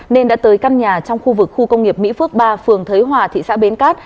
nên đã tới căn nhà trong khu vực khu công nghiệp mỹ phước ba phường thới hòa thị xã bến cát